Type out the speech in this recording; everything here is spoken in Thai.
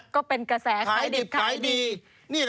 ก็เป็นกระแสขายดี